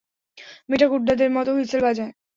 মেয়েটা গুন্ডাদের মতো হুঁইসেল বাজায়!